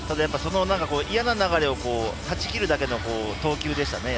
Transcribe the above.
嫌な流れを断ち切るだけの投球でしたね。